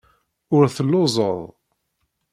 Ur telluẓeḍ.